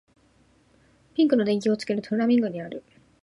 ピンクの電球をつけるとフラミンゴになる